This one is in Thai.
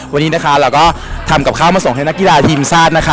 วันนี้นะคะเราก็ทำกับข้าวมาส่งให้นักกีฬาทีมชาตินะคะ